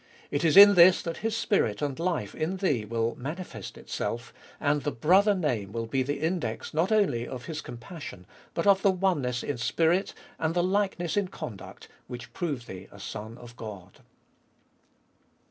It is in this that His Spirit and life in thee will mani fest itself, and the Brother name will be the index not only of His compassion but of the oneness in Spirit and the likeness in conduct which prove thee a son of God.